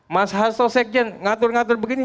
mas hasto sekjen ngatur ngatur begini